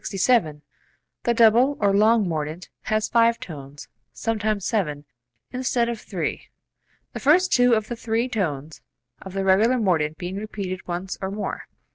42.] 67. The double (or long) mordent has five tones (sometimes seven) instead of three, the first two of the three tones of the regular mordent being repeated once or more.